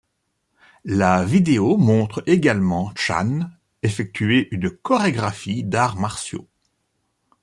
La vidéo montre également Chan effectuer une chorégraphie d'arts martiaux.